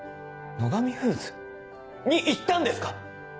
野上フーズに行ったんですか？